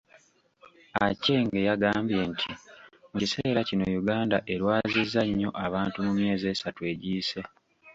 Acheng yagambye nti mu kiseera kino Uganda erwazizza nnyo abantu mu myezi esatu egiyise.